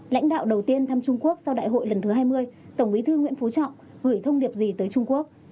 lãnh đạo đầu tiên thăm trung quốc sau đại hội lần thứ hai mươi tổng bí thư nguyễn phú trọng gửi thông điệp gì tới trung quốc